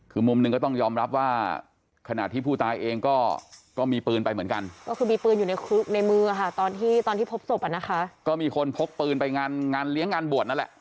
คือมุมหนึ่งก็ต้องยอมรับว่าขณะที่ผู้ตายเองก็มีปืนไปเหมือนกันก็คือมีปืนอยู่ในมือค่ะตอนที่ตอนที่พบศพอ่ะนะคะก็มีคนพกปืนไปงานงานเลี้ยงงานบวชนั่นแหละ